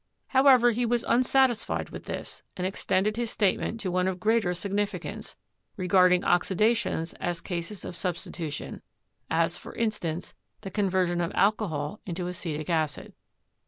However, he was unsatisfied with this, and extended his statement to one of greater significance, regarding oxidations as cases of substitution, as, for instance, the conversion of alcohol into acetic acid.